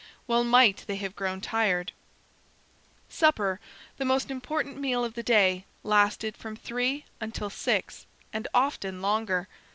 Well might they have grown tired. Supper, the most important meal of the day, lasted from three until six, and often longer.